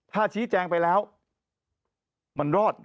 ถ้าชี้แจงไปแล้วมันรอด